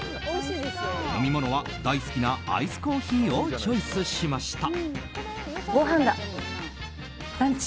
飲み物は大好きなアイスコーヒーをチョイスしました。